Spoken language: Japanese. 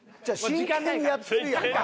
真剣にやってるやん。